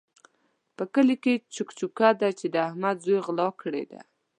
په کلي کې چک چوکه ده چې د احمد زوی غلا کړې ده.